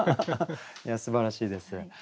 いやすばらしいです。